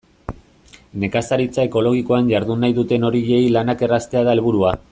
Nekazaritza ekologikoan jardun nahi duten horiei lanak erraztea da helburua.